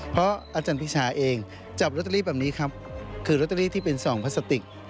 เพราะอาจารย์พิชาเองจับโรตตาลีแบบนี้ครับคือโรตตาลีที่เป็น๒พลาสติก